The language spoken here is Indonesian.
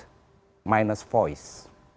apa yang disebut dengan vote minus voice